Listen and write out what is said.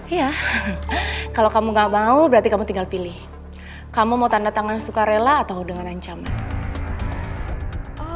iya kalau kamu gak mau berarti kamu tinggal pilih kamu mau tanda tangan suka rela atau dengan ancaman